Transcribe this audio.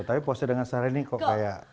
tapi pose dengan syahrini kok kayak